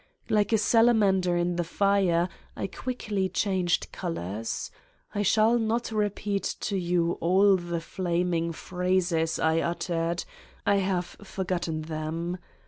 Like a salamander in the fire, I quickly changed colors. I shall not repeat to you all the flaming phrases I uttered : I have forgotten them.